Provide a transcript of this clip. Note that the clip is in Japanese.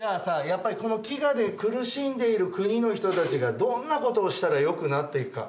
やっぱりこの飢餓で苦しんでいる国の人たちがどんなことをしたらよくなっていくか。